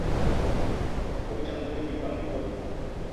Bôbejang be ne minpan mi bot